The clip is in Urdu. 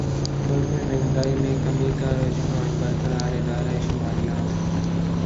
ملک میں مہنگائی میں کمی کا رجحان برقرار ادارہ شماریات